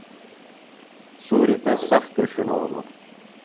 سُوریۡ تس سخت کِرݜݨولوۡ